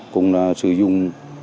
cũng sử dụng